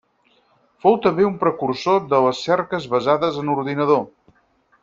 Fou també un precursor de les cerques basades en ordinador.